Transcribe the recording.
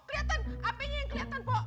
kelihatan apinya yang kelihatan pok